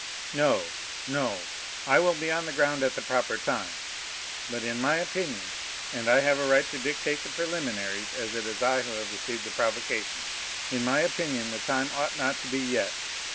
"No, no, I will be on the ground at the proper time; but in my opinion (and I have a right to dictate the preliminaries, as it is I who have received the provocation)—in my opinion the time ought not to be yet.